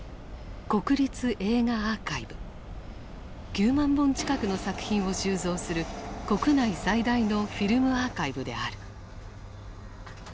９万本近くの作品を収蔵する国内最大のフィルムアーカイブである。